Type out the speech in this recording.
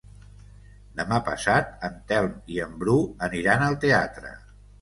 Demà passat en Telm i en Bru aniran al teatre.